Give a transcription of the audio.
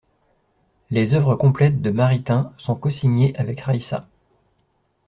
Les œuvres complètes de Maritain sont co-signées avec Raïssa.